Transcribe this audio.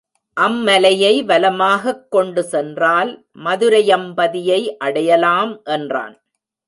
அம்மலையை வலமாகக் கொண்டு சென்றால் மதுரையம்பதியை அடையலாம் என்றான்.